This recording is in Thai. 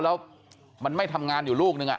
แล้วมันไม่ทำงานอยู่ลูกนึง